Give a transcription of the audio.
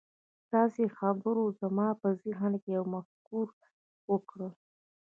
ستاسې خبرو زما په ذهن کې يوه مفکوره وکرله.